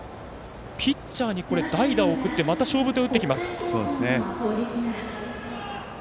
ピッチャーに代打を送ってまた勝負手を打ってきます。